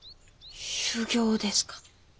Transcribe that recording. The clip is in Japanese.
修業ですか。